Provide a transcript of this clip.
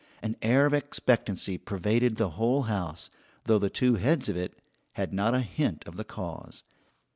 An air of expectancy pervaded the whole house, though the two heads of it had not a hint of the cause.